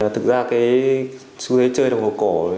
thực ra cái xu thế chơi đồng hồ cổ